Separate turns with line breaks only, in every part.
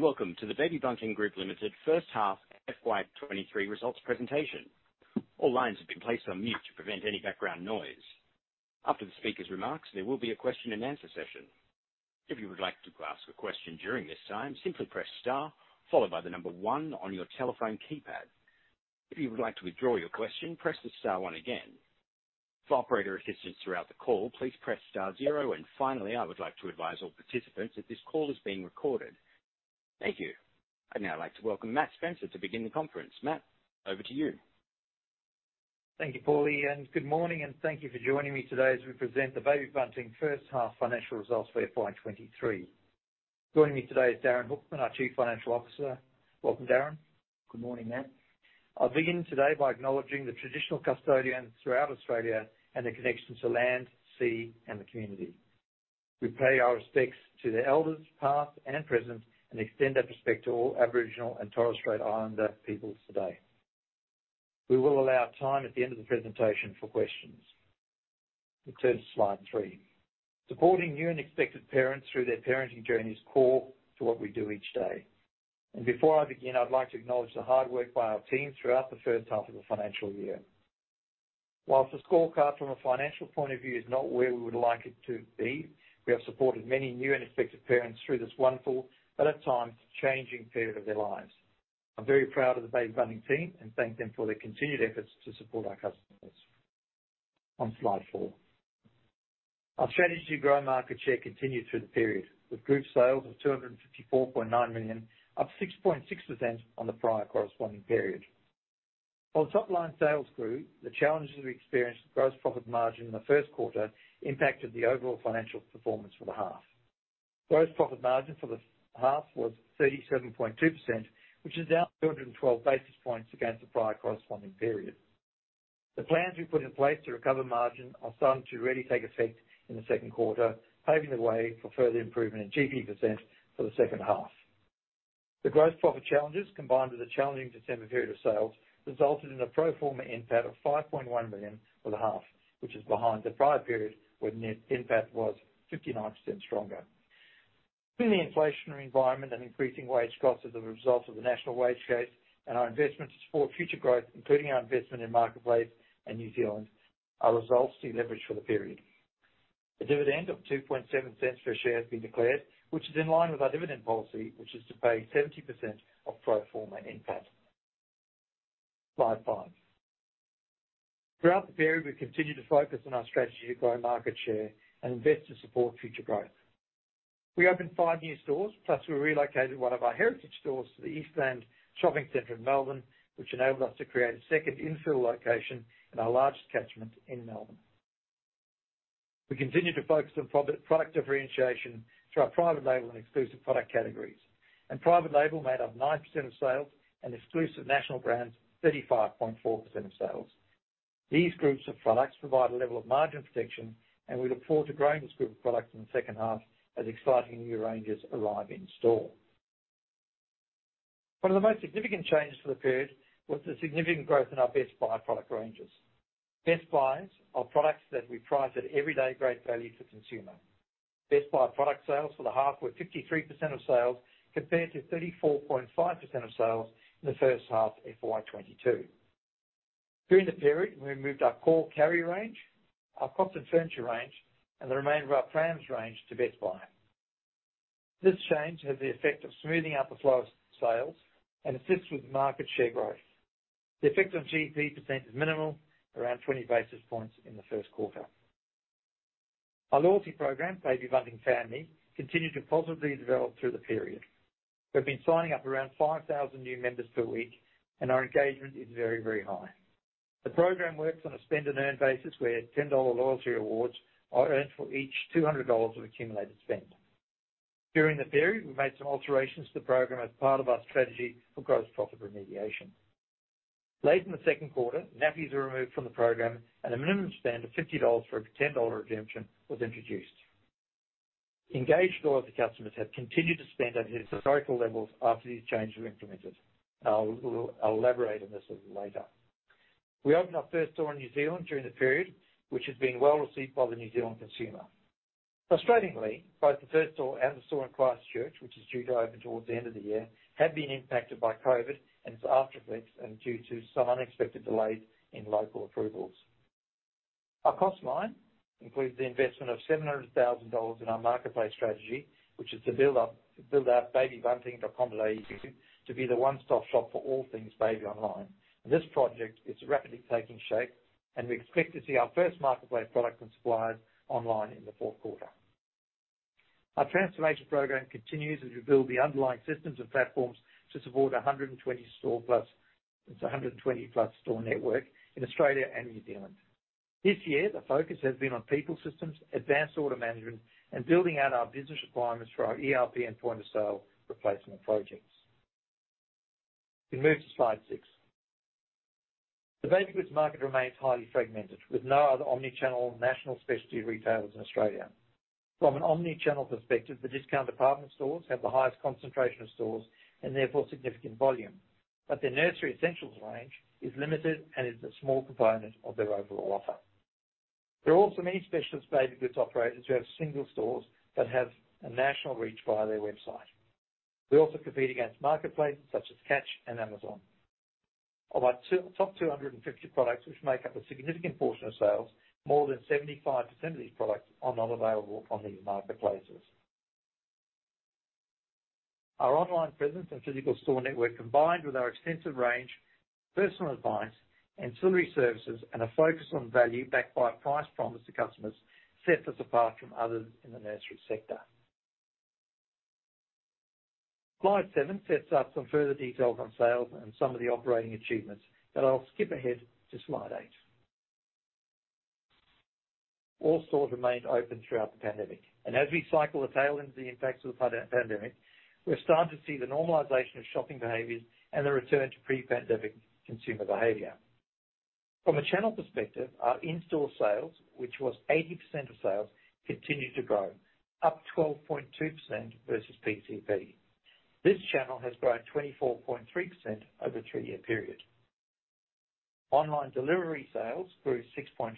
Morning, welcome to the Baby Bunting Group Limited first half FY 2023 results presentation. All lines have been placed on mute to prevent any background noise. After the speaker's remarks, there will be a question and answer session. If you would like to ask a question during this time, simply press star followed by the one on your telephone keypad. If you would like to withdraw your question, press the star one again. For operator assistance throughout the call, please press star zero, and finally, I would like to advise all participants that this call is being recorded. Thank you. I'd now like to welcome Matt Spencer to begin the conference. Matt, over to you.
Thank you, Paulie, and good morning and thank you for joining me today as we present the Baby Bunting first half financial results for FY 2023. Joining me today is Darin Hoekman, our Chief Financial Officer. Welcome, Darin.
Good morning, Matt.
I'll begin today by acknowledging the traditional custodians throughout Australia and their connection to land, sea, and the community. We pay our respects to the elders, past and present, and extend that respect to all Aboriginal and Torres Strait Islander peoples today. We will allow time at the end of the presentation for questions. Let's turn to slide three. Supporting new and expectant parents through their parenting journey is core to what we do each day. Before I begin, I'd like to acknowledge the hard work by our team throughout the first half of the financial year. Whilst the scorecard from a financial point of view is not where we would like it to be, we have supported many new and expectant parents through this wonderful, but at times, changing period of their lives. I'm very proud of the Baby Bunting team and thank them for their continued efforts to support our customers. On slide four. Our strategy to grow market share continued through the period, with group sales of 254.9 million, up 6.6% on the prior corresponding period. While top-line sales grew, the challenges we experienced with gross profit margin in the first quarter impacted the overall financial performance for the half. Gross profit margin for the half was 37.2%, which is down 212 basis points against the prior corresponding period. The plans we've put in place to recover margin are starting to really take effect in the second quarter, paving the way for further improvement in GP% for the second half. The gross profit challenges, combined with a challenging December period of sales, resulted in a pro forma NPAT of 5.1 million for the half, which is behind the prior period when NPAT was 59% stronger. In the inflationary environment and increasing wage costs as a result of the national wage case and our investment to support future growth, including our investment in Marketplace and New Zealand, our results deleveraged for the period. A dividend of 0.027 per share has been declared, which is in line with our dividend policy, which is to pay 70% of pro forma NPAT. Slide five. Throughout the period, we've continued to focus on our strategy to grow market share and invest to support future growth. We opened five new stores, plus we relocated one of our heritage stores to the Eastland Shopping Center in Melbourne, which enabled us to create a second infill location in our largest catchment in Melbourne. We continue to focus on pro-product differentiation through our private label and exclusive product categories, and private label made up 9% of sales and exclusive national brands 35.4% of sales. These groups of products provide a level of margin protection, and we look forward to growing this group of products in the second half as exciting new ranges arrive in store. One of the most significant changes for the period was the significant growth in our Best Buys product ranges. Best Buys is our products that we price at everyday great value for consumer. Best Buys product sales for the half were 53% of sales, compared to 34.5% of sales in the first half of FY 2022. During the period, we moved our core carrier range, our cot and furniture range, and the remainder of our prams range to Best Buys. This change has the effect of smoothing out the flow of sales and assists with market share growth. The effect on GP% is minimal, around 20 basis points in the first quarter. Our loyalty program, Baby Bunting Family, continued to positively develop through the period. We've been signing up around 5,000 new members per week, and our engagement is very, very high. The program works on a spend and earn basis, where 10 dollar loyalty rewards are earned for each 200 dollars of accumulated spend. During the period, we made some alterations to the program as part of our strategy for gross profit remediation. Late in the second quarter, nappies were removed from the program. A minimum spend of 50 dollars for a 10 dollar redemption was introduced. Engaged loyalty customers have continued to spend at historical levels after these changes were implemented. I'll elaborate on this a little later. We opened our first store in New Zealand during the period, which has been well-received by the New Zealand consumer. Frustratingly, both the first store and the store in Christchurch, which is due to open towards the end of the year, have been impacted by COVID and its aftereffects and due to some unexpected delays in local approvals. Our cost line includes the investment of 700,000 dollars in our Marketplace strategy, which is to build out babybunting.com.au to be the one-stop shop for all things baby online. This project is rapidly taking shape, and we expect to see our first Marketplace product from suppliers online in the fourth quarter. Our transformation program continues as we build the underlying systems and platforms to support a 120-plus store network in Australia and New Zealand. This year, the focus has been on people systems, advanced order management, and building out our business requirements for our ERP and point-of-sale replacement projects. We move to slide six. The baby goods market remains highly fragmented, with no other omni-channel national specialty retailers in Australia. From an omni-channel perspective, the discount department stores have the highest concentration of stores and therefore significant volume, but their Nursery Essentials range is limited and is a small component of their overall offer. There are also many specialist baby goods operators who have single stores that have a national reach via their website. We also compete against marketplaces such as Catch and Amazon. Of our top 250 products, which make up a significant portion of sales, more than 75% of these products are not available on these marketplaces. Our online presence and physical store network, combined with our extensive range, personal advice, ancillary services, and a focus on value backed by a price promise to customers, sets us apart from others in the nursery sector. Slide seven sets out some further details on sales and some of the operating achievements, but I'll skip ahead to slide eight. All stores remained open throughout the pandemic, and as we cycle the tail end of the impacts of the pandemic, we're starting to see the normalization of shopping behaviors and the return to pre-pandemic consumer behavior. From a channel perspective, our in-store sales, which was 80% of sales, continued to grow, up 12.2% versus PCP. This channel has grown 24.3% over a three-year period. Online delivery sales grew 6.5%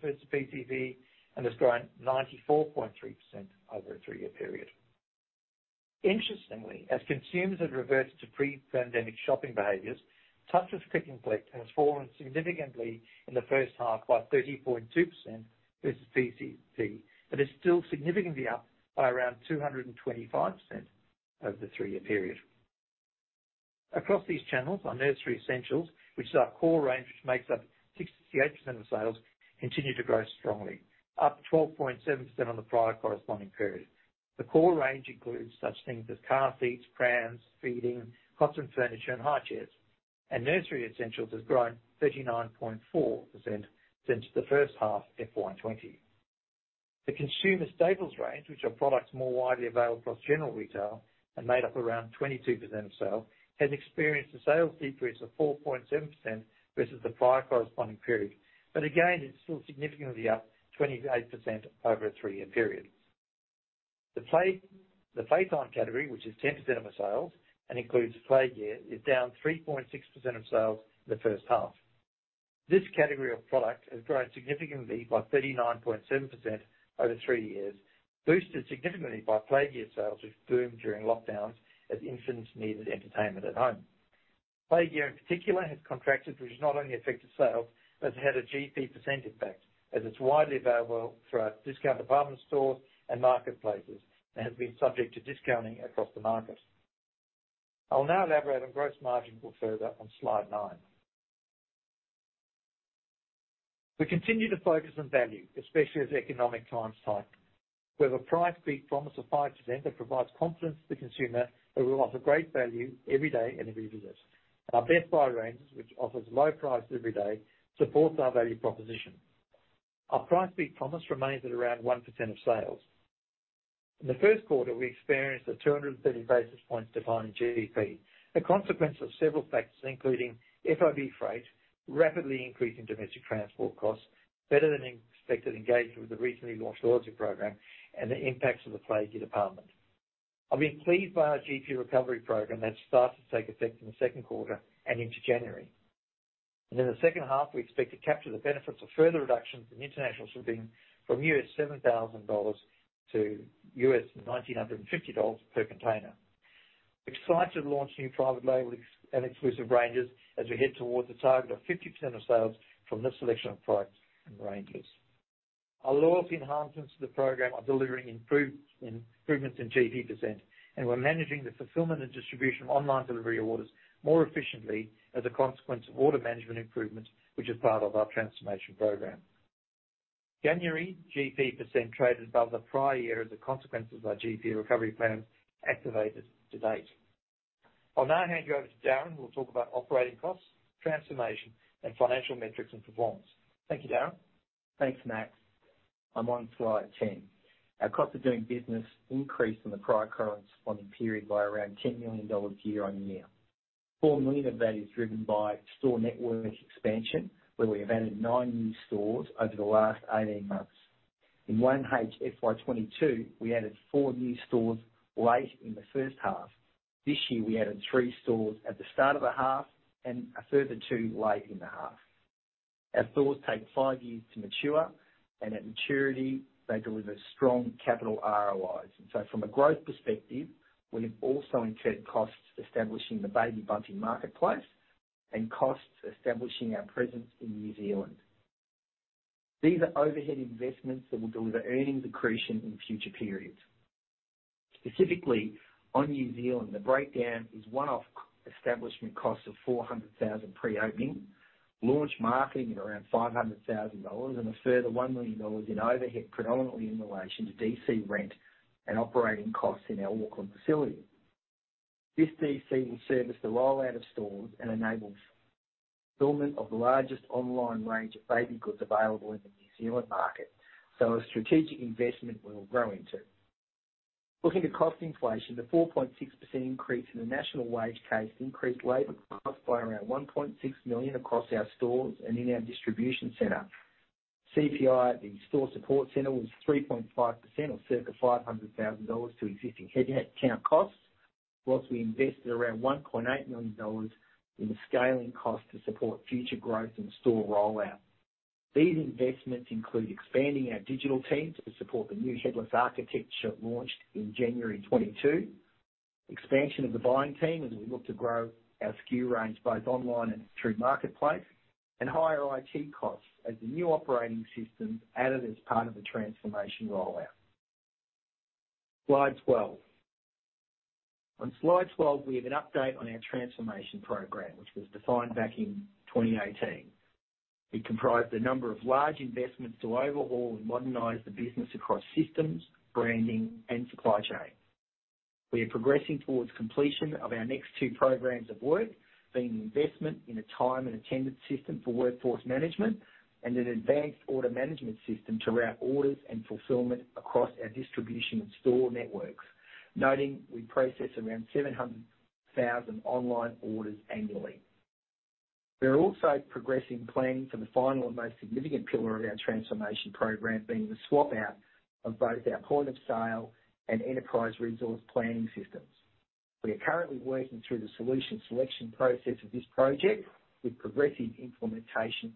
versus PCP and has grown 94.3% over a three-year period. Interestingly, as consumers have reverted to pre-pandemic shopping behaviors, touches Click and Collect has fallen significantly in the first half by 30.2% versus PCP, but is still significantly up by around 225% over the three-year period. Across these channels are Nursery Essentials, which is our core range, which makes up 68% of sales, continue to grow strongly, up 12.7% on the prior corresponding period. The core range includes such things as car seats, prams, feeding, cot and furniture, and high chairs. Nursery Essentials has grown 39.4% since the first half FY 2020. The Consumer Staples range, which are products more widely available across general retail and made up around 22% of sale, has experienced a sales decrease of 4.7% versus the prior corresponding period. Again, it's still significantly up 28% over a three-year period. The Play time category, which is 10% of our sales and includes Play gear, is down 3.6% of sales in the first half. This category of products has grown significantly by 39.7% over three years, boosted significantly by Play gear sales which boomed during lockdowns as infants needed entertainment at home. Play gear in particular has contracted, which has not only affected sales, but it's had a GP % impact, as it's widely available throughout discount department stores and Marketplaces and has been subject to discounting across the market. I'll now elaborate on gross margin book further on slide nine. We continue to focus on value, especially as economic times tighten. We have a Price Beat Promise of 5% that provides confidence to the consumer that we offer great value every day and every visit. Our Best Buys ranges, which offers low prices every day, supports our value proposition. Our Price Beat Promise remains at around 1% of sales. In the first quarter, we experienced a 230 basis points decline in GDP, a consequence of several factors, including FOB freight, rapidly increasing domestic transport costs, better than expected engagement with the recently launched loyalty program, and the impacts of the play gear department. I've been pleased by our GP recovery program that started to take effect in the second quarter and into January. In the second half, we expect to capture the benefits of further reductions in international shipping from $7,000-$1,950 per container. Excited to launch new private label exclusive ranges as we head towards a target of 50% of sales from this selection of products and ranges. Our loyalty enhancements to the program are delivering improvements in GP%. We're managing the fulfillment and distribution of online delivery orders more efficiently as a consequence of order management improvements, which is part of our transformation program. January GP% traded above the prior year as a consequence of our GP recovery plan activated to date. I'll now hand you over to Darin, who will talk about operating costs, transformation, and financial metrics and performance. Thank you, Darin.
Thanks, Matt. I'm on slide 10. Our cost of doing business increased in the prior corresponding period by around 10 million dollars year-over-year. 4 million of that is driven by store network expansion, where we have added nine new stores over the last 18 months. In 1H FY 2022, we added four new stores late in the first half. This year we added three stores at the start of the half and a further two late in the half. Our stores take five years to mature, and at maturity, they deliver strong capital ROIs. From a growth perspective, we have also incurred costs establishing the Baby Bunting Marketplace and costs establishing our presence in New Zealand. These are overhead investments that will deliver earnings accretion in future periods. Specifically, on New Zealand, the breakdown is one-off establishment costs of 400,000 pre-opening, launch marketing at around 500,000 dollars, and a further 1 million dollars in overhead, predominantly in relation to DC rent and operating costs in our Auckland facility. This DC will service the rollout of stores and enable fulfillment of the largest online range of baby goods available in the New Zealand market, so a strategic investment we will grow into. Looking at cost inflation, the 4.6% increase in the national wage case increased labor costs by around 1.6 million across our stores and in our distribution center. CPI at the store support center was 3.5% or circa 500,000 dollars to existing headcount costs. We invested around 1.8 million dollars in the scaling cost to support future growth and store rollout. These investments include expanding our digital teams to support the new headless architecture launched in January 2022, expansion of the buying team as we look to grow our SKU range both online and through marketplace, and higher IT costs as the new operating systems added as part of the transformation rollout. Slide 12. On Slide 12, we have an update on our transformation program, which was defined back in 2018. It comprised a number of large investments to overhaul and modernize the business across systems, branding, and supply chain. We are progressing towards completion of our next two programs of work, being the investment in a time and attendance system for workforce management and an advanced order management system to route orders and fulfillment across our distribution and store networks. Noting we process around 700,000 online orders annually. We are also progressing planning for the final and most significant pillar of our transformation program, being the swap-out of both our point of sale and enterprise resource planning systems. We are currently working through the solution selection process of this project with progressive implementation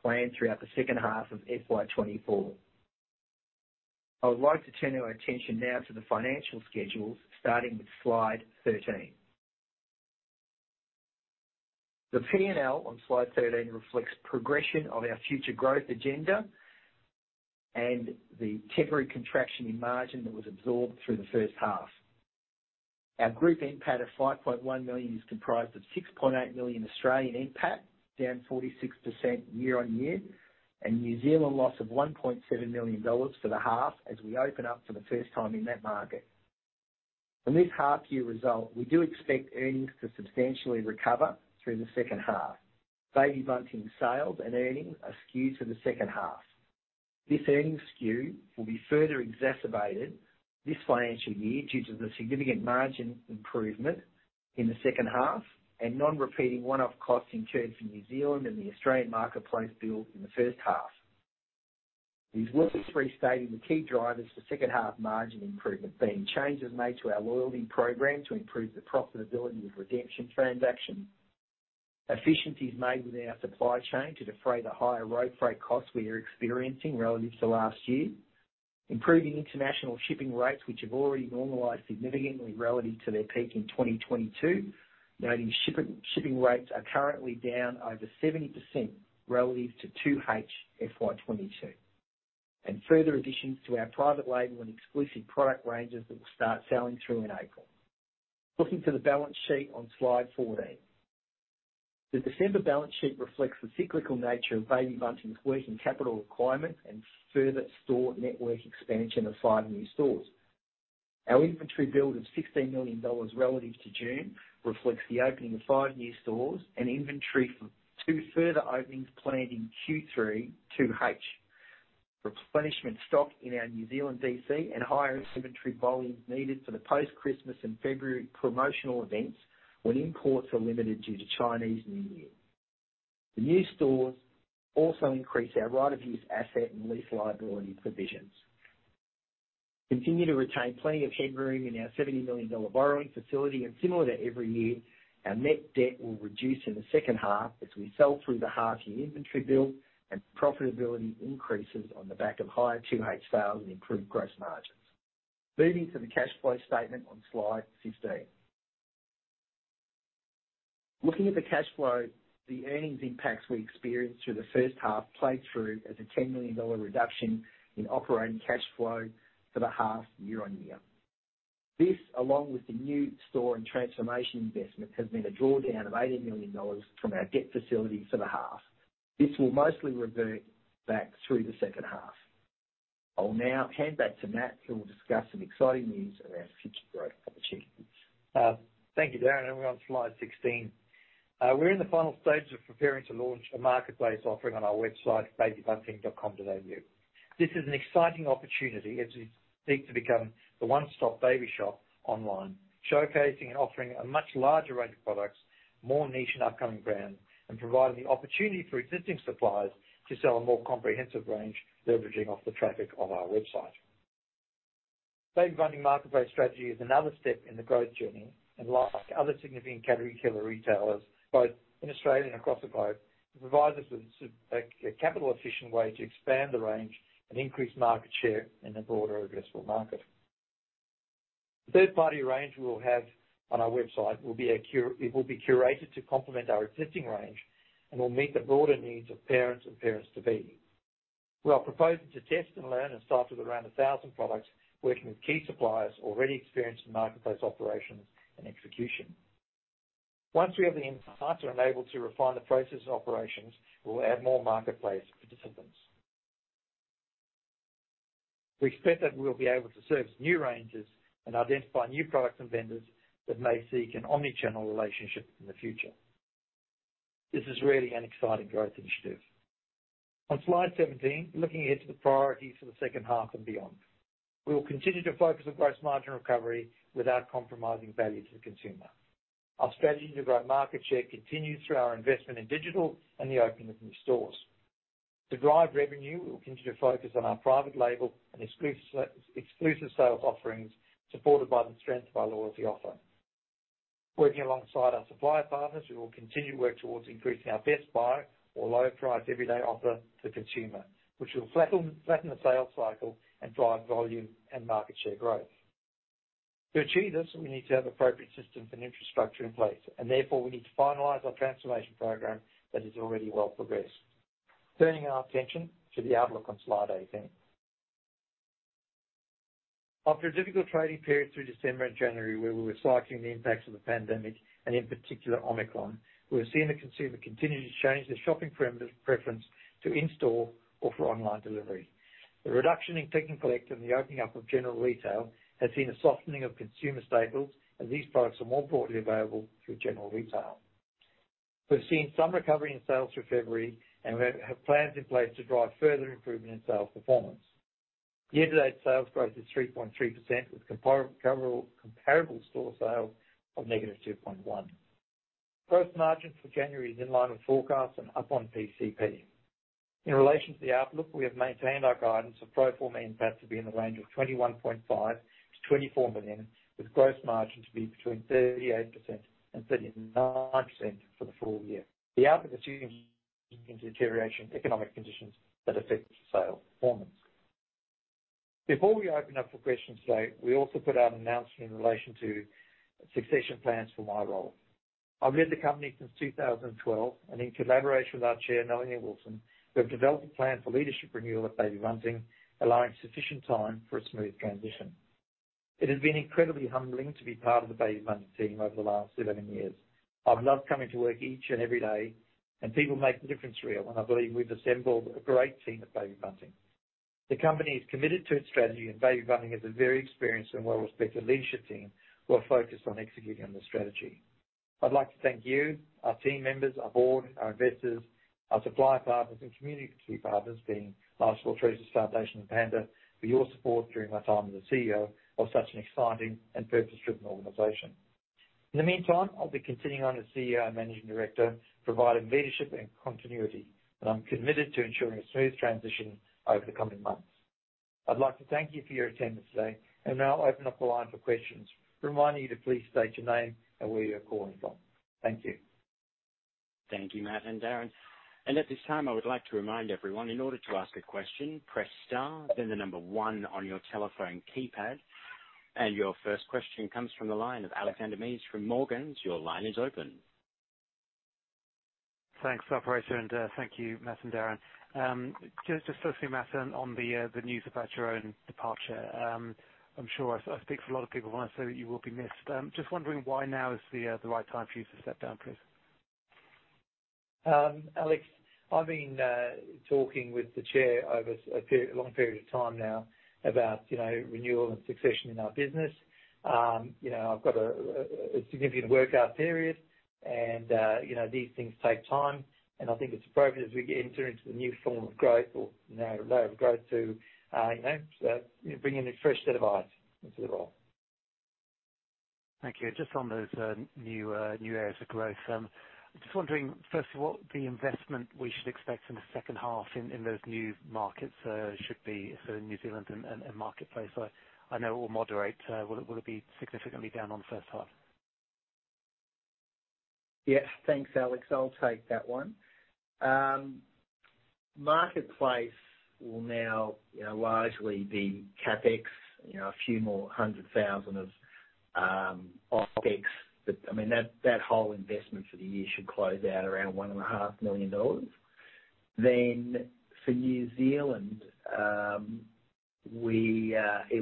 planned throughout the second half of FY 2024. I would like to turn our attention now to the financial schedules, starting with slide 13. The P&L on slide 13 reflects progression of our future growth agenda and the temporary contraction in margin that was absorbed through the first half. Our group NPAT of 5.1 million is comprised of 6.8 million Australian NPAT, down 46% year-on-year, and New Zealand loss of 1.7 million dollars for the half as we open up for the first time in that market. From this half year result, we do expect earnings to substantially recover through the second half. Baby Bunting sales and earnings are skewed to the second half. This earnings skew will be further exacerbated this financial year due to the significant margin improvement in the second half and non-repeating one-off costs incurred for New Zealand and the Australian Marketplace build in the first half. It is worth restating the key drivers for second half margin improvement being changes made to our loyalty program to improve the profitability of redemption transactions. Efficiencies made within our supply chain to defray the higher road freight costs we are experiencing relative to last year. Improving international shipping rates, which have already normalized significantly relative to their peak in 2022. Noting shipping rates are currently down over 70% relative to 2H FY 2022. Further additions to our private label and exclusive product ranges that will start selling through in April. Looking to the balance sheet on slide 14. The December balance sheet reflects the cyclical nature of Baby Bunting's working capital requirement and further store network expansion of five new stores. Our inventory build of AUD 16 million relative to June reflects the opening of five new stores and inventory for two further openings planned in Q3 2H. Replenishment stock in our New Zealand DC and higher inventory volumes needed for the post-Christmas and February promotional events when imports are limited due to Chinese New Year. The new stores also increase our right of use asset and lease liability provisions. Continue to retain plenty of headroom in our 70 million dollar borrowing facility. Similar to every year, our net debt will reduce in the second half as we sell through the half year inventory build and profitability increases on the back of higher 2H sales and improved gross margins. Moving to the cash flow statement on slide 16. Looking at the cash flow, the earnings impacts we experienced through the first half played through as a 10 million dollar reduction in operating cash flow for the half year-on-year. Along with the new store and transformation investment, has been a drawdown of 80 million dollars from our debt facility for the half. This will mostly revert back through the second half. I will now hand back to Matt, who will discuss some exciting news around future growth opportunities.
Thank you, Darin. We're on slide 16. We're in the final stages of preparing to launch a Marketplace offering on our website, babybunting.com.au. This is an exciting opportunity as we seek to become the one-stop baby shop online, showcasing and offering a much larger range of products, more niche and upcoming brands, and providing the opportunity for existing suppliers to sell a more comprehensive range, leveraging off the traffic on our website. Baby Bunting Marketplace strategy is another step in the growth journey. Like other significant category killer retailers both in Australia and across the globe, it provides us with a capital efficient way to expand the range and increase market share in the broader addressable market. The 3rd-party range we will have on our website will be curated to complement our existing range and will meet the broader needs of parents and parents-to-be. We are proposing to test and learn and start with around 1,000 products, working with key suppliers already experienced in Marketplace operations and execution. Once we have the insights and are able to refine the process and operations, we'll add more Marketplace participants. We expect that we'll be able to service new ranges and identify new products and vendors that may seek an omni-channel relationship in the future. This is really an exciting growth initiative. On slide 17, looking ahead to the priorities for the second half and beyond. We will continue to focus on gross margin recovery without compromising value to the consumer. Our strategy to grow market share continues through our investment in digital and the opening of new stores. To drive revenue, we'll continue to focus on our private label and exclusive sales offerings, supported by the strength of our loyalty offer. Working alongside our supplier partners, we will continue to work towards increasing our Best Buys or lower price everyday offer to consumer, which will flatten the sales cycle and drive volume and market share growth. To achieve this, we need to have appropriate systems and infrastructure in place and therefore we need to finalize our transformation program that is already well progressed. Turning our attention to the outlook on slide 18. After a difficult trading period through December and January, where we were cycling the impacts of the pandemic and in particular Omicron, we're seeing the consumer continue to change their shopping preference to in-store or for online delivery. The reduction in Click and Collect and the opening up of general retail has seen a softening of Consumer Staples as these products are more broadly available through general retail. We've seen some recovery in sales through February. We have plans in place to drive further improvement in sales performance. Year-to-date sales growth is 3.3% with comparable store sales of -2.1%. Gross margin for January is in line with forecasts and up on PCP. In relation to the outlook, we have maintained our guidance for pro forma EBITDA to be in the range of 21.5 million-24 million, with gross margin to be between 38% and 39% for the full year. The outlook assumes deterioration in economic conditions that affect sales performance. Before we open up for questions today, we also put out an announcement in relation to succession plans for my role. I've led the company since 2012, and in collaboration with our Chair, Melanie Wilson, we have developed a plan for leadership renewal at Baby Bunting, allowing sufficient time for a smooth transition. It has been incredibly humbling to be part of the Baby Bunting team over the last 17 years. I've loved coming to work each and every day, and people make the difference real, and I believe we've assembled a great team at Baby Bunting. The company is committed to its strategy, and Baby Bunting has a very experienced and well-respected leadership team who are focused on executing on the strategy. I'd like to thank you, our team members, our board, our investors, our supplier partners and community partners, being Marist La Trobe Foundation and PANDA, for your support during my time as the CEO of such an exciting and purpose-driven organization. In the meantime, I'll be continuing on as CEO and Managing Director, providing leadership and continuity, and I'm committed to ensuring a smooth transition over the coming months. I'd like to thank you for your attendance today. Now I'll open up the line for questions. Reminding you to please state your name and where you're calling from. Thank you.
Thank you, Matt and Darin. At this time, I would like to remind everyone, in order to ask a question, press star, then the one on your telephone keypad. Your first question comes from the line of Alexander Mees from Morgans. Your line is open.
Thanks, operator. Thank you, Matt and Darin. Just firstly, Matt, on the news about your own departure. I'm sure I speak for a lot of people when I say that you will be missed. Just wondering why now is the right time for you to step down, please?
Alex, I've been talking with the chair over a long period of time now about, you know, renewal and succession in our business. You know, I've got a significant work-out period. These things take time, and I think it's appropriate as we enter into the new form of growth or now a layer of growth to, you know, you know, bring in a fresh set of eyes into the role.
Thank you. Just on those new new areas of growth, just wondering, first of all, the investment we should expect in the second half in in those new markets, should be sort of New Zealand and Marketplace. I know it will moderate. Will it be significantly down on the first half?
Yeah. Thanks, Alex. I'll take that one. Marketplace will now, you know, largely be CapEx, you know, a few more 100,000 of OpEx. I mean, that whole investment for the year should close out around 1.5 million dollars. For New Zealand, it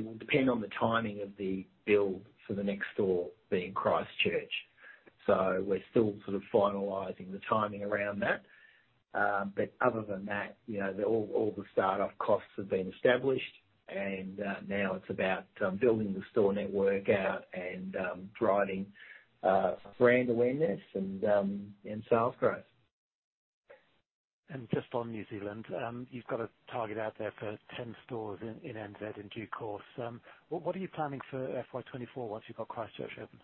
will depend on the timing of the build for the next store being Christchurch. We're still sort of finalizing the timing around that. Other than that, you know, all the start-up costs have been established and now it's about building the store network out and driving brand awareness and sales growth.
Just on New Zealand, you've got a target out there for 10 stores in NZ in due course. What are you planning for FY 2024 once you've got Christchurch open?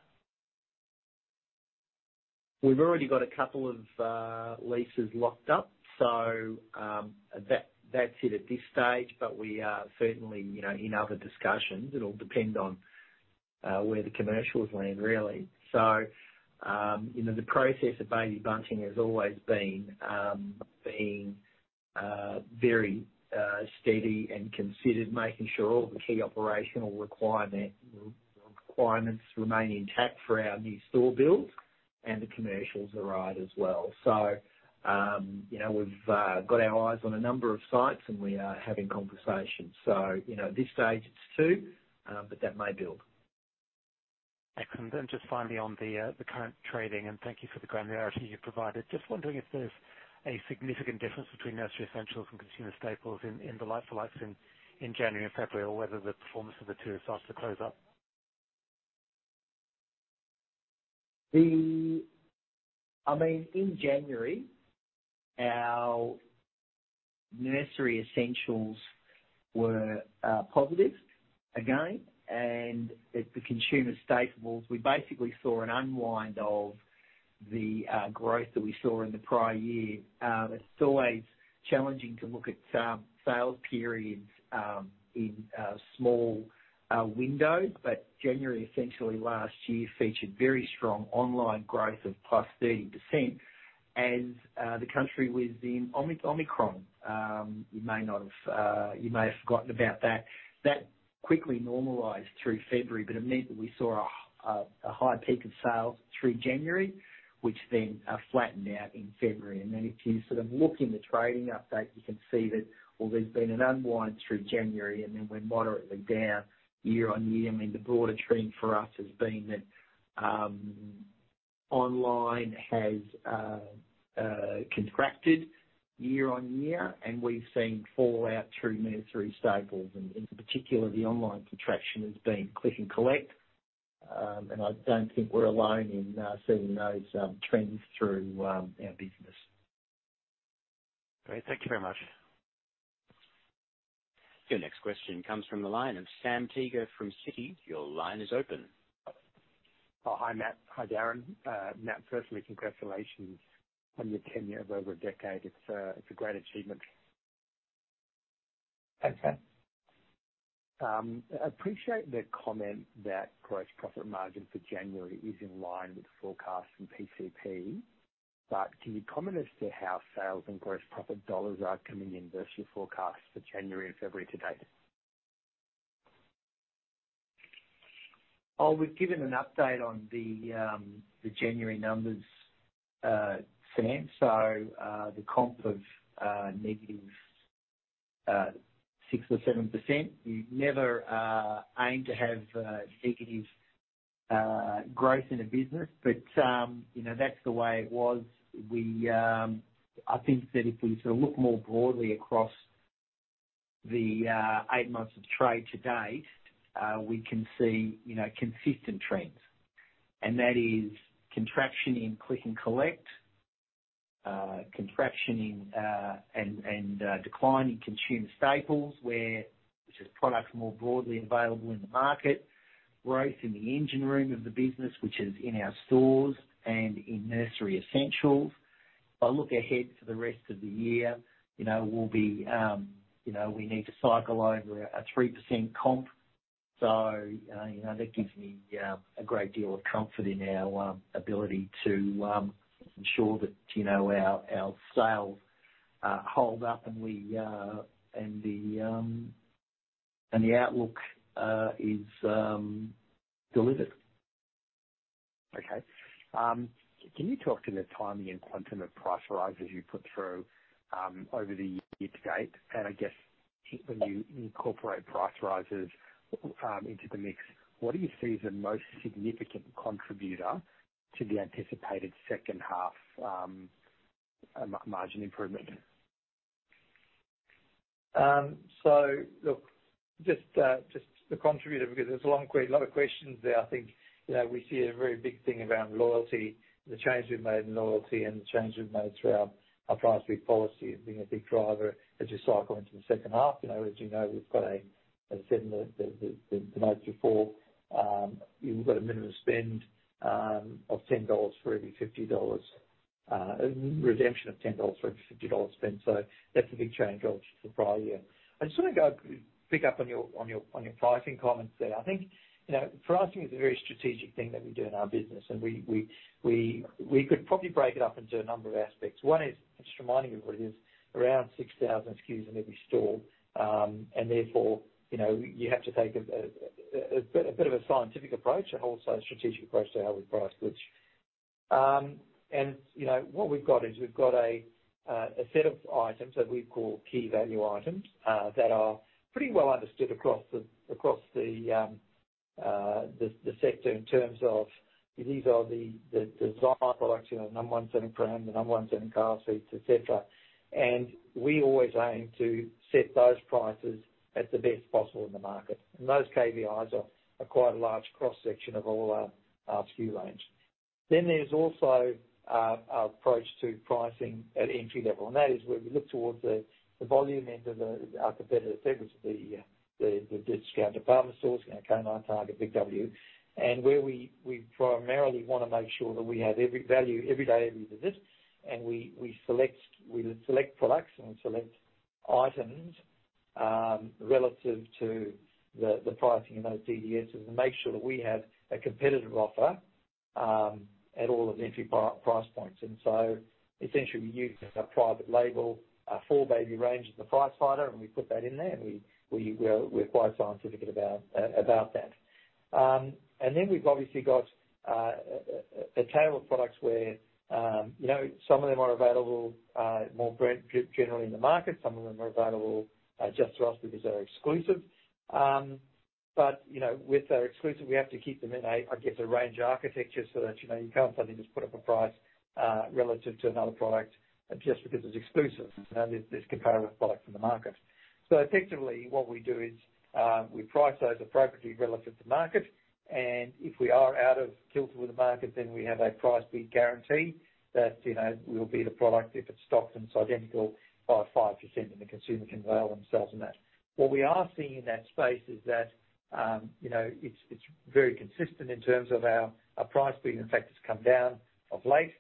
We've already got a couple of leases locked up, so that's it at this stage. We are certainly, you know, in other discussions, it'll depend on where the commercials land really. You know, the process at Baby Bunting has always been very steady and considered, making sure all the key operational requirements remain intact for our new store build and the commercials are right as well. You know, we've got our eyes on a number of sites and we are having conversations. You know, at this stage it's two, but that may build.
Excellent. Just finally on the current trading, thank you for the granularity you've provided. Just wondering if there's a significant difference between Nursery Essentials and Consumer Staples in the like for likes in January and February, or whether the performance of the two starts to close up.
I mean, in January, our Nursery Essentials were positive again. At the Consumer Staples, we basically saw an unwind of the growth that we saw in the prior year. It's always challenging to look at sales periods in a small window, January essentially last year featured very strong online growth of +30%. The country was in Omicron. You may not have, you may have forgotten about that. That quickly normalized through February, but it meant that we saw a high peak of sales through January, which then flattened out in February. If you sort of look in the trading update, you can see that although there's been an unwind through January, and then we're moderately down year-on-year, I mean, the broader trend for us has been that online has contracted year-on-year, and we've seen fallout through Nursery Staples, and in particular, the online contraction has been Click and Collect. I don't think we're alone in seeing those trends through our business.
Great. Thank you very much.
Your next question comes from the line of Sam Teeger from Citi. Your line is open.
Hi, Matt. Hi, Darin. Matt, personally, congratulations on your tenure of over a decade. It's a great achievement.
Thanks, Sam.
I appreciate the comment that gross profit margin for January is in line with forecasts from PCP, but can you comment as to how sales and gross profit dollars are coming in versus your forecasts for January and February to date?
We've given an update on the January numbers, Sam. The comp of -6% or -7%. You'd never aim to have negative growth in a business, but, you know, that's the way it was. We, I think that if we sort of look more broadly across the eight months of trade to date, we can see, you know, consistent trends, and that is contraction in Click and Collect, contraction in, and, decline in Consumer Staples, where this products more broadly available in the market, growth in the engine room of the business, which is in our stores and in Nursery Essentials. If I look ahead to the rest of the year, you know, we'll be, you know, we need to cycle over a 3% comp. You know, that gives me a great deal of comfort in our ability to ensure that, you know, our sales hold up and we and the and the outlook is delivered.
Okay. Can you talk to the timing and quantum of price rises you put through over the year to date? I guess when you incorporate price rises into the mix, what do you see as the most significant contributor to the anticipated second half margin improvement?
Look, just the contributor, because there's a long lot of questions there. I think, you know, we see a very big thing around loyalty, the change we've made in loyalty and the change we've made through our Price Beat policy as being a big driver as you cycle into the second half. You know, as you know, we've got a, as I said in the notes before, you've got a minimum spend of 10 dollars for every 50 dollars, redemption of 10 dollars for every 50 dollars spend. That's a big change over the prior year. I just wanna go pick up on your pricing comments there. I think, you know, pricing is a very strategic thing that we do in our business, and we could probably break it up into a number of aspects. One is just reminding everybody there's around 6,000 SKUs in every store. Therefore, you know, you have to take a bit of a scientific approach, a wholesale strategic approach to how we price goods. You know, what we've got is we've got a set of items that we call key value items, that are pretty well understood across the sector in terms of these are the design products, you know, the number one selling pram, the number one selling car seats, et cetera. We always aim to set those prices at the best possible in the market. Those KVIs are quite a large cross-section of all our SKU range. There's also our approach to pricing at entry level, and that is where we look towards the volume end of our competitive sectors, the discount department stores, you know, Kmart, Target, Big W. Where we primarily wanna make sure that we have every value every day of every visit. We select products and we select items relative to the pricing in those DDSs, and make sure that we have a competitive offer at all of the entry price points. Essentially we use a private label, our 4baby range as the price fighter, and we put that in there, and we're quite scientific about about that. Then we've obviously got a table of products where, you know, some of them are available more generally in the market, some of them are available just to us because they're exclusive. You know, with our exclusive, we have to keep them in a, I guess, a range architecture so that, you know, you can't suddenly just put up a price relative to another product just because it's exclusive. There's comparative products in the market. Effectively what we do is, we price those appropriately relative to market, and if we are out of kilter with the market, then we have a Price Beat Gaurantee that, you know, we'll beat a product if it's stocked and it's identical by 5% and the consumer can avail themselves in that. What we are seeing in that space is that, you know, it's very consistent in terms of our price beat. In fact, it's come down of late.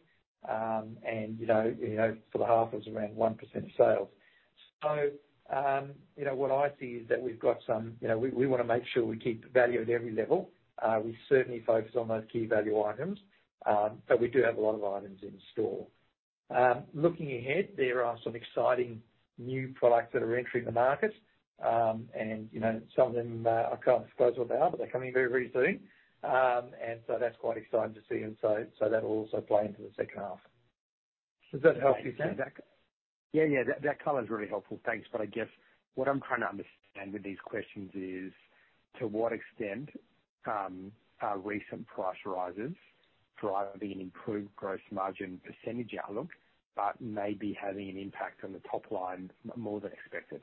You know, for the half it was around 1% of sales. You know, what I see is that we've got some, you know, we wanna make sure we keep the value at every level. We certainly focus on those key value items, but we do have a lot of items in store. Looking ahead, there are some exciting new products that are entering the market, and, you know, some of them, I can't disclose all now, but they're coming very, very soon. That's quite exciting to see. That will also play into the second half. Does that help you, Sam?
Yeah. That color is really helpful. Thanks. I guess what I'm trying to understand with these questions is to what extent are recent price rises driving an improved gross margin % outlook, but maybe having an impact on the top line more than expected?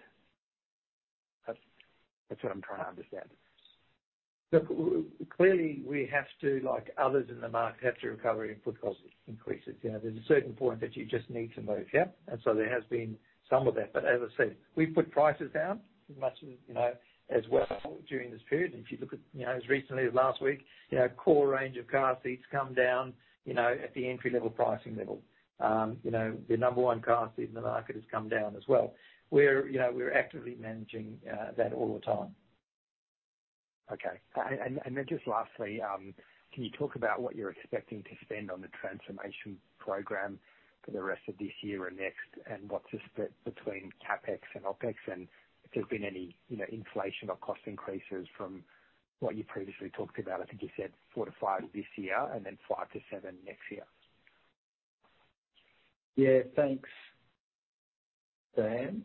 That's what I'm trying to understand.
Look, clearly we have to, like others in the market, have to recover input cost increases. You know, there's a certain point that you just need to move. Yeah. There has been some of that. As I said, we've put prices down as much as, you know, as well during this period. If you look at, you know, as recently as last week, you know, our core range of car seats come down, you know, at the entry level pricing level. You know, the number one car seat in the market has come down as well. We're, you know, we're actively managing that all the time.
Okay. And then just lastly, can you talk about what you're expecting to spend on the transformation program for the rest of this year and next, what's the split between CapEx and OpEx, if there's been any, you know, inflation or cost increases from what you previously talked about? I think you said 4 million-5 million this year and then 5 million-7 million next year.
Yeah, thanks, Sam.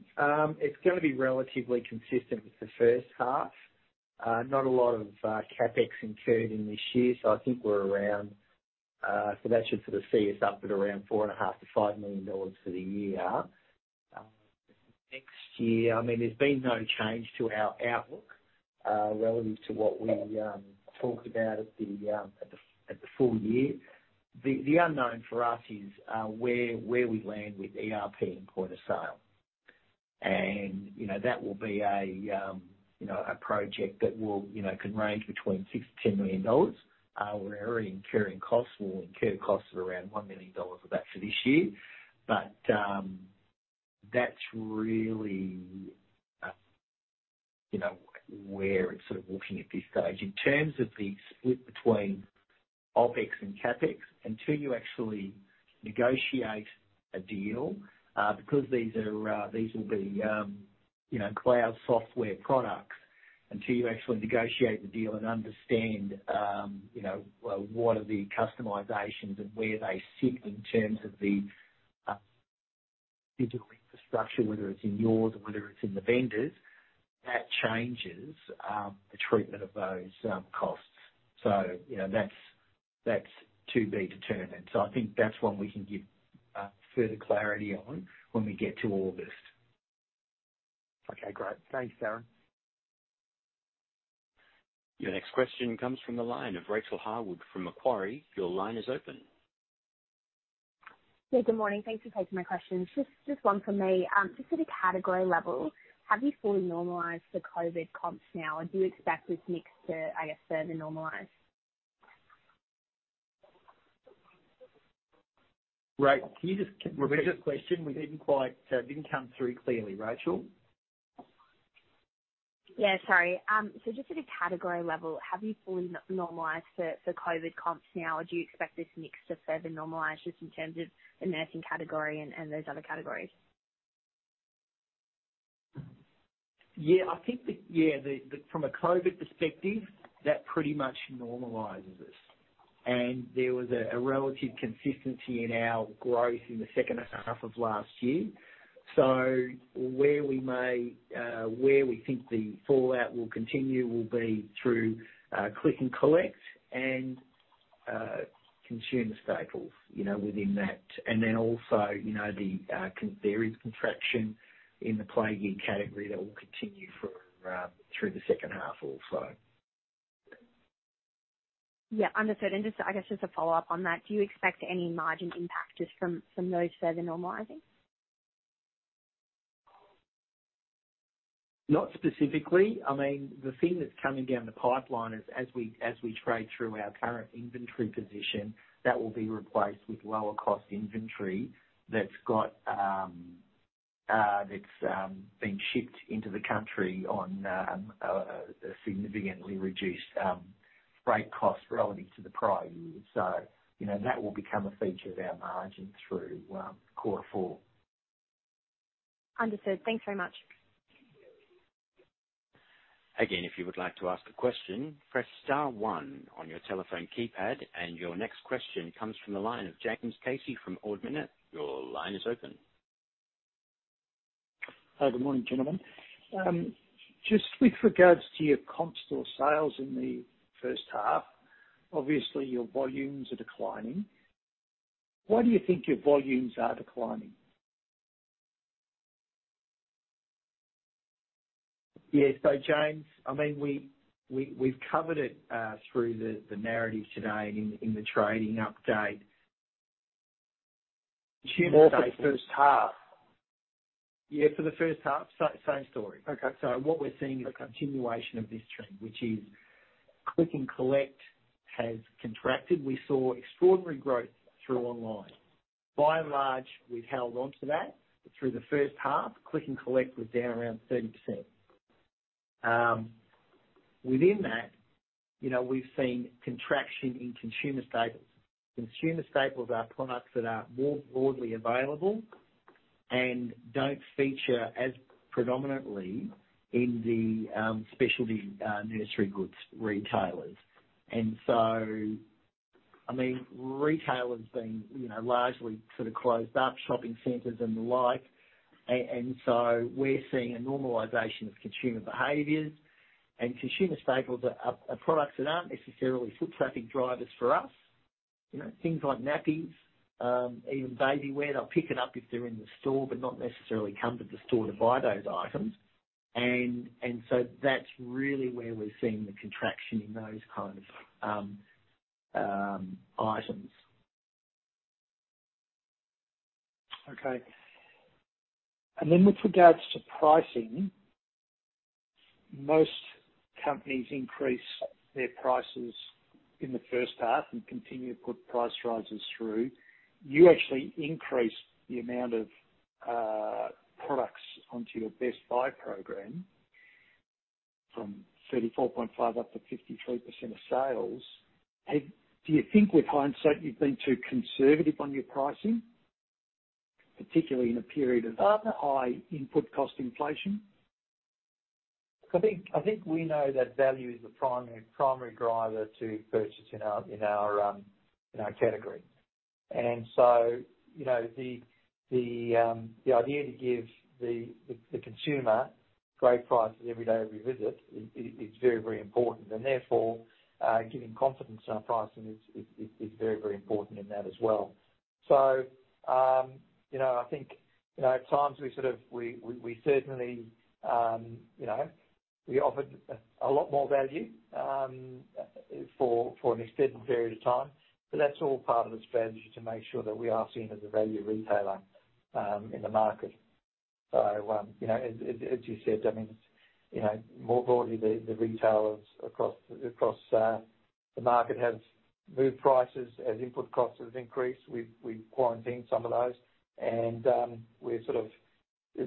It's gonna be relatively consistent with the first half. Not a lot of CapEx incurred in this year, so I think we're around, so that should sort of see us up at around 4.5 million-5 million dollars for the year. Next year, I mean, there's been no change to our outlook, relative to what we talked about at the full year. The unknown for us is where we land with ERP and point of sale. That will be a project that can range between 6 million-10 million dollars. We're already incurring costs. We'll incur costs of around 1 million dollars of that for this year. That's really, you know, where it's sort of walking at this stage. In terms of the split between OpEx and CapEx, until you actually negotiate a deal, because these are, these will be, you know, cloud software products, until you actually negotiate the deal and understand, you know, what are the customizations and where they sit in terms of the digital infrastructure, whether it's in yours or whether it's in the vendors, that changes, the treatment of those, costs. You know, that's to be determined. I think that's one we can give, further clarity on when we get to August.
Okay, great. Thanks, Darin.
Your next question comes from the line of Rachael Harwood from Macquarie. Your line is open.
Yeah, good morning. Thanks for taking my questions. Just one from me. Just at a category level, have you fully normalized the COVID comps now? Do you expect this mix to, I guess, further normalize?
Rachael, can you just repeat the question? It didn't come through clearly. Rachael?
Yeah, sorry. just at a category level, have you fully normalized for COVID comps now, or do you expect this mix to further normalize just in terms of the nursing category and those other categories?
Yeah, I think the. Yeah, the from a COVID perspective, that pretty much normalizes it. There was a relative consistency in our growth in the second half of last year. Where we may, where we think the fallout will continue will be through click and collect and consumer staples, you know, within that. Also, you know, the there is contraction in the play gear category that will continue for through the second half also.
Yeah. Understood. I guess just to follow up on that, do you expect any margin impact just from those further normalizing?
Not specifically. I mean, the thing that's coming down the pipeline is as we trade through our current inventory position, that will be replaced with lower cost inventory that's got, that's being shipped into the country on a significantly reduced freight cost relative to the prior year. You know, that will become a feature of our margin through quarter four.
Understood. Thanks very much.
Again, if you would like to ask a question, press star one on your telephone keypad. Your next question comes from the line of James Casey from Ord Minnett. Your line is open.
Hi, good morning, gentlemen. Just with regards to your comp store sales in the first half, obviously your volumes are declining. Why do you think your volumes are declining?
Yeah. James, I mean, we've covered it through the narrative today and in the trading update. Consumer Staples first half. Yeah, for the first half, same story.
Okay.
What we're seeing is a continuation of this trend, which is Click and Collect has contracted. We saw extraordinary growth through online. By and large, we've held on to that. Through the first half, Click and Collect was down around 30%. Within that, you know, we've seen contraction in Consumer Staples. Consumer Staples are products that are more broadly available and don't feature as predominantly in the specialty nursery goods retailers. I mean, retail has been, you know, largely sort of closed up, shopping centers and the like. We're seeing a normalization of consumer behaviors, and Consumer Staples are products that aren't necessarily foot traffic drivers for us. You know, things like nappies, even babywear. They'll pick it up if they're in the store, but not necessarily come to the store to buy those items. That's really where we're seeing the contraction in those kind of items.
Okay. Then with regards to pricing, most companies increase their prices in the first half and continue to put price rises through. You actually increased the amount of products onto your Best Buys program from 34.5% up to 53% of sales. Do you think with hindsight, you've been too conservative on your pricing, particularly in a period of high input cost inflation?
I think we know that value is the primary driver to purchase in our category. You know, the idea to give the consumer great prices every day, every visit is very, very important. Therefore, giving confidence in our pricing is very, very important in that as well. You know, I think, you know, at times we sort of, we certainly, you know, we offered a lot more value for an extended period of time. That's all part of the strategy to make sure that we are seen as a value retailer in the market. You know, as you said, I mean, you know, more broadly, the retailers across the market have moved prices as input costs have increased. We've quarantined some of those, and we're sort of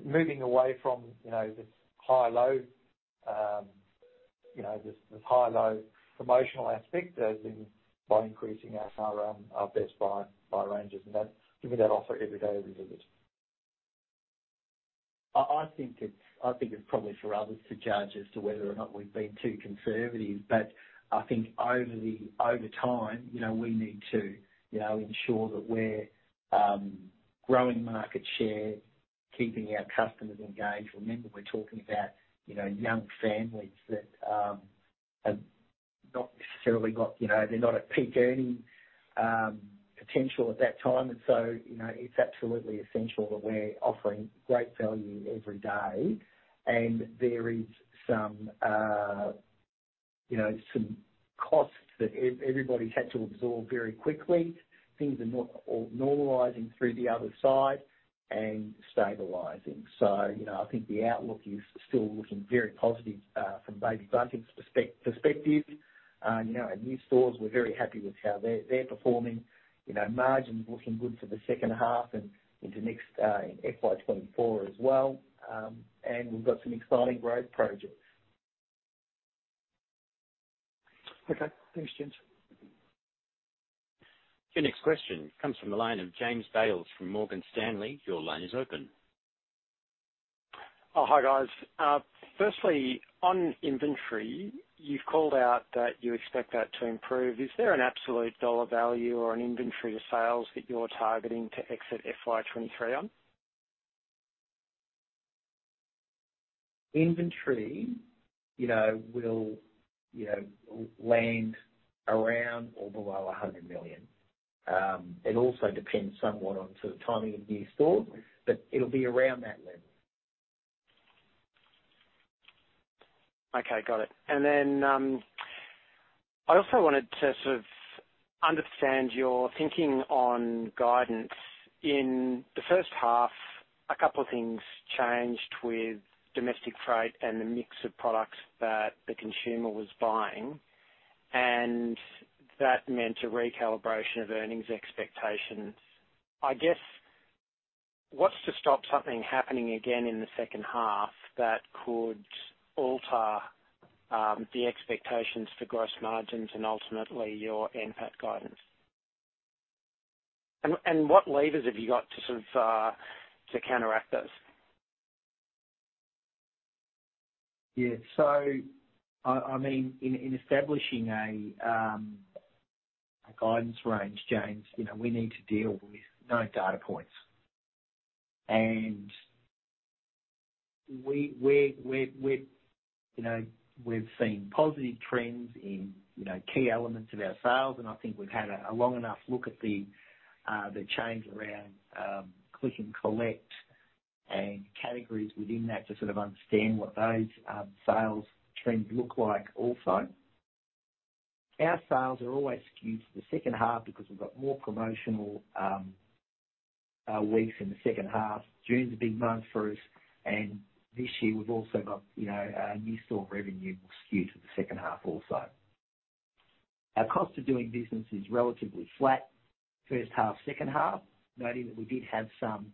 moving away from, you know, this high-low, you know, this high-low promotional aspect as in by increasing our Best Buys ranges and that giving that offer every day of the visit. I think it's probably for others to judge as to whether or not we've been too conservative, but I think over time, you know, we need to, you know, ensure that we're growing market share, keeping our customers engaged. Remember, we're talking about, you know, young families that have not necessarily got, you know, they're not at peak earning potential at that time. You know, it's absolutely essential that we're offering great value every day. There is some, you know, some costs that everybody's had to absorb very quickly. Things are normalizing through the other side and stabilizing. You know, I think the outlook is still looking very positive from Baby Bunting's perspective. You know, our new stores, we're very happy with how they're performing. You know, margin's looking good for the second half and into next FY 2024 as well. We've got some exciting growth projects.
Okay. Thanks, James.
Your next question comes from the line of James Bales from Morgan Stanley. Your line is open.
Hi, guys. Firstly, on inventory, you've called out that you expect that to improve. Is there an absolute dollar value or an inventory to sales that you're targeting to exit on?
Inventory, you know, will, you know, land around or below 100 million. It also depends somewhat on sort of timing of new stores, but it'll be around that level.
Okay, got it. Then, I also wanted to sort of understand your thinking on guidance. In the first half, a couple of things changed with domestic freight and the mix of products that the consumer was buying, and that meant a recalibration of earnings expectations. I guess, what's to stop something happening again in the second half that could alter the expectations for gross margins and ultimately your NPAT guidance? What levers have you got to sort of to counteract this?
Yeah. I mean, in establishing a guidance range, James Casey, you know, we need to deal with known data points. We've seen positive trends in, you know, key elements of our sales, and I think we've had a long enough look at the change around Click and Collect and categories within that to sort of understand what those sales trends look like also. Our sales are always skewed to the second half because we've got more promotional weeks in the second half. June's a big month for us, this year we've also got, you know, our new store revenue will skew to the second half also. Our cost of doing business is relatively flat, first half, second half, noting that we did have some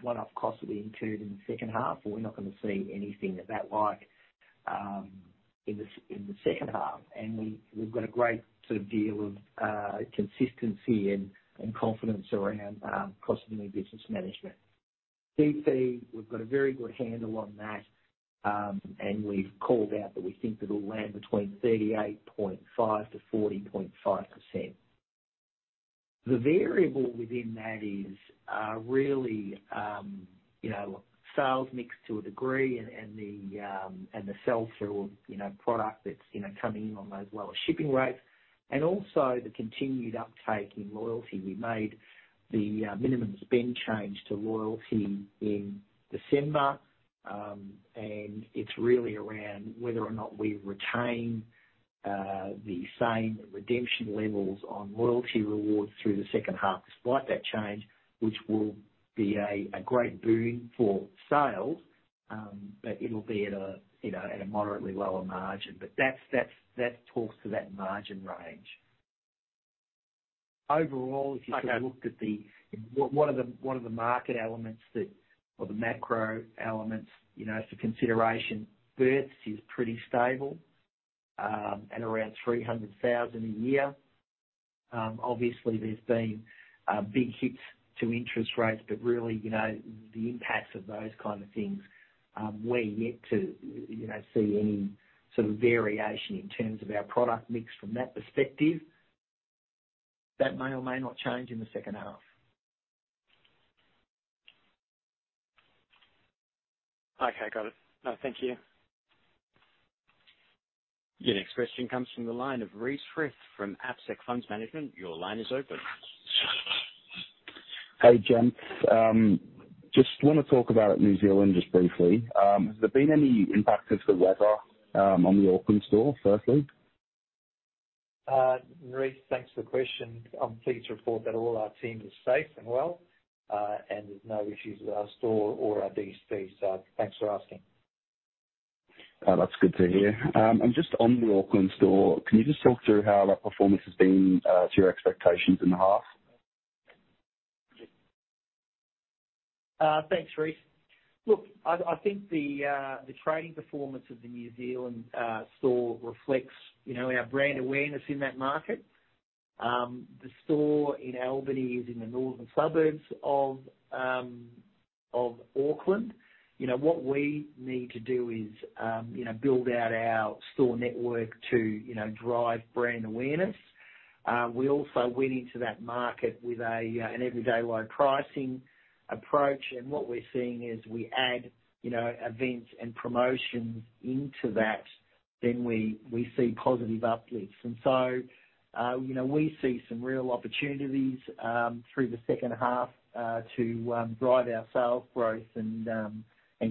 one-off costs that we incurred in the second half. We're not gonna see anything of that like, in the second half. We, we've got a great sort of deal of consistency and confidence around cost of new business management. GP, we've got a very good handle on that, and we've called out that we think it'll land between 38.5%-40.5%. The variable within that is really, you know, sales mix to a degree and the sell-through of, you know, product that's, you know, coming in on those lower shipping rates and also the continued uptake in loyalty. We made the minimum spend change to loyalty in December. It's really around whether or not we retain the same redemption levels on loyalty rewards through the second half despite that change, which will be a great boon for sales. It'll be at a, you know, at a moderately lower margin. That talks to that margin range. What are the market elements that or the macro elements, you know, for consideration? Births is pretty stable at around 300,000 a year. Obviously there's been big hits to interest rates. Really, you know, the impacts of those kind of things, we're yet to, you know, see any sort of variation in terms of our product mix from that perspective. That may or may not change in the second half.
Okay, got it. No, thank you.
Your next question comes from the line of Reece Frith from APSEC Funds Management. Your line is open.
Hey, gents. Just wanna talk about New Zealand just briefly. Has there been any impact of the weather on the Auckland store, firstly?
Reece, thanks for the question. I'm pleased to report that all our teams are safe and well, and there's no issues with our store or our DC. Thanks for asking.
Oh, that's good to hear. Just on the Auckland store, can you just talk through how that performance has been to your expectations in the half?
Thanks, Reece. Look, I think the trading performance of the New Zealand store reflects, you know, our brand awareness in that market. The store in Albany is in the northern suburbs of Auckland. You know, what we need to do is, you know, build out our store network to, you know, drive brand awareness. We also went into that market with a an everyday low pricing approach, and what we're seeing as we add, you know, events and promotions into that, then we see positive uplifts. So, you know, we see some real opportunities through the second half to drive our sales growth and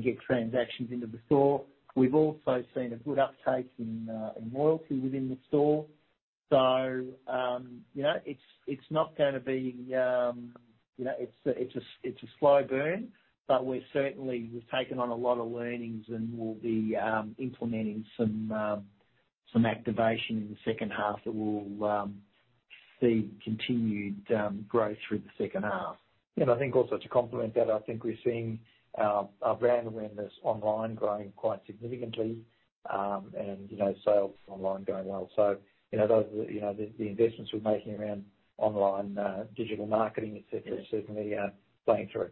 get transactions into the store. We've also seen a good uptake in loyalty within the store. You know, it's not gonna be, you know... It's a, it's a slow burn, but we're certainly, we've taken on a lot of learnings and we'll be implementing some activation in the second half that will see continued growth through the second half. I think also to complement that, I think we're seeing our brand awareness online growing quite significantly, and, you know, sales online going well. You know, those are the, you know, the investments we're making around online, digital marketing, et cetera, certainly are playing through.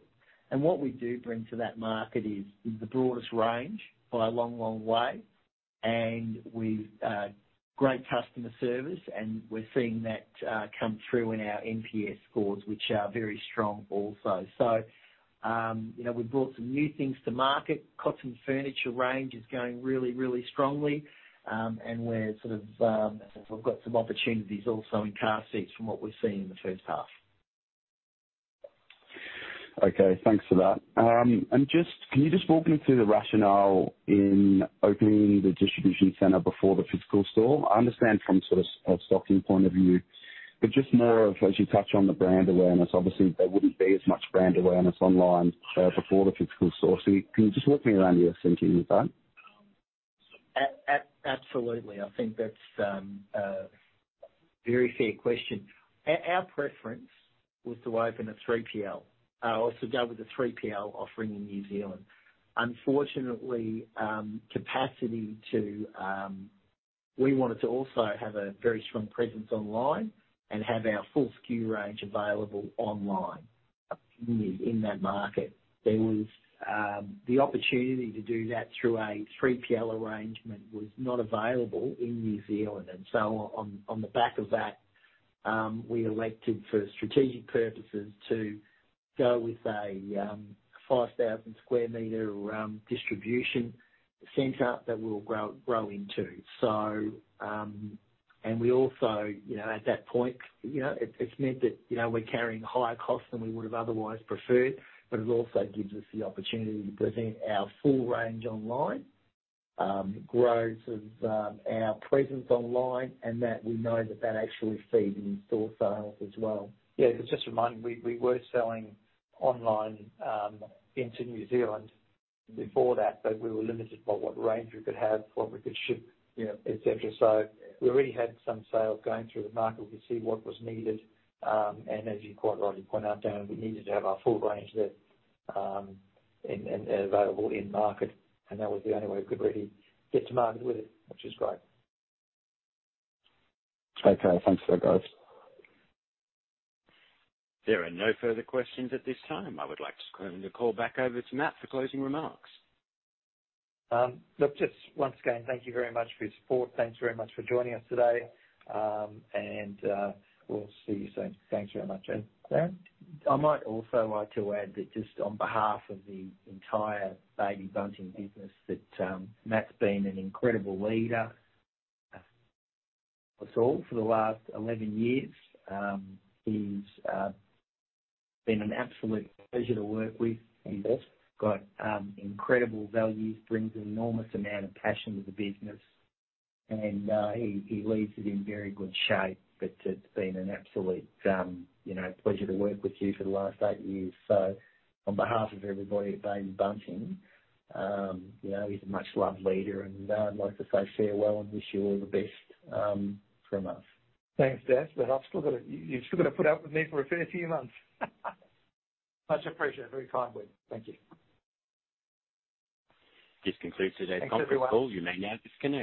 What we do bring to that market is the broadest range by a long, long way, and with great customer service, and we're seeing that come through in our NPS scores, which are very strong also. You know, we've brought some new things to market. Cotton furniture range is going really, really strongly, and we're sort of, we've got some opportunities also in car seats from what we're seeing in the first half.
Okay, thanks for that. Can you just walk me through the rationale in opening the distribution center before the physical store? I understand from sort of a stocking point of view, but just more of as you touch on the brand awareness, obviously there wouldn't be as much brand awareness online before the physical store. Can you just walk me around your thinking with that?
Absolutely. I think that's a very fair question. Our preference was to open a 3PL or to go with a 3PL offering in New Zealand. Unfortunately, capacity to... We wanted to also have a very strong presence online and have our full SKU range available online in that market. There was the opportunity to do that through a 3PL arrangement was not available in New Zealand. On the back of that, we elected for strategic purposes to go with a 5,000 square meter distribution center that we'll grow into. We also, you know, at that point, you know, it's meant that, you know, we're carrying higher costs than we would have otherwise preferred, but it also gives us the opportunity to present our full range online. Grows of our presence online and that we know that that actually feeds in store sales as well. Yeah, just a reminder, we were selling online into New Zealand before that, but we were limited by what range we could have, what we could ship, you know, et cetera. So we already had some sales going through the market. We could see what was needed. And as you quite rightly point out, Darin, we needed to have our full range there and available in market, and that was the only way we could really get to market with it, which is great.
Okay. Thanks for that, guys.
There are no further questions at this time. I would like to hand the call back over to Matt for closing remarks.
Look, just once again, thank you very much for your support. Thanks very much for joining us today. We'll see you soon. Thanks very much. Darin,
I might also like to add that just on behalf of the entire Baby Bunting business, that Matt's been an incredible leader for us all for the last 11 years. He's been an absolute pleasure to work with. Thanks. Got incredible values, brings an enormous amount of passion to the business, and he leaves it in very good shape, but it's been an absolute, you know, pleasure to work with you for the last eight years. On behalf of everybody at Baby Bunting, you know, he's a much loved leader, and I'd like to say farewell and wish you all the best from us.
Thanks, Daz, but you've still got to put up with me for a fair few months. Much appreciated. Very kind words. Thank you.
This concludes today's conference call.
Thanks, everyone.
You may now disconnect.